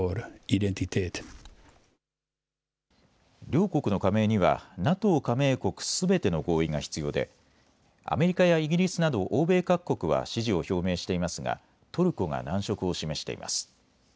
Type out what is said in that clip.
両国の加盟にはＮＡＴＯ加盟国すべての合意が必要でアメリカやイギリスなど欧米各国は支持を表明していますがトルコが難色を示しています。